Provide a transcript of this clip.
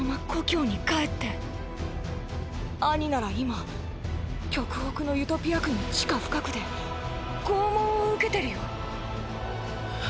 アニなら今極北のユトピア区の地下深くで拷問を受けてるよ。